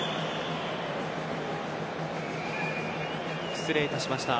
失礼いたしました。